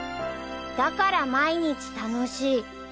［だから毎日楽しい］